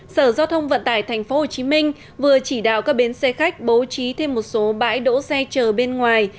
sở giao thông vận tải tp hcm vừa chỉ đạo các bến xe khách bố trí thêm một số bãi đỗ xe chờ bên ngoài